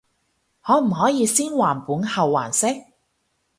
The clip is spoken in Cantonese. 可唔可以先還本後還息？